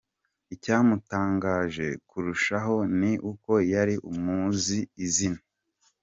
Icyamutangaje kurushaho ni uko yari amuzi izina.